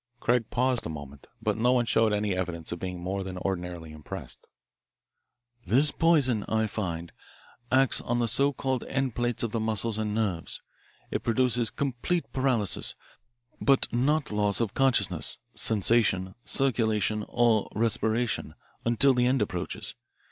Craig paused a moment, but no one showed any evidence of being more than ordinarily impressed. "This poison, I find, acts on the so called endplates of the muscles and nerves. It produces complete paralysis, but not loss of consciousness, sensation, circulation, or respiration until the end approaches.